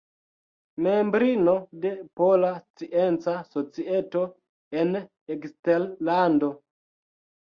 Membrino de Pola Scienca Societo en Eksterlando.